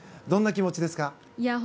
どんな気持ちですか？